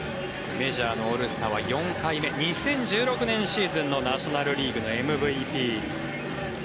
メジャーのオールスターは４回目２０１６年シーズンのナショナル・リーグのＭＶＰ。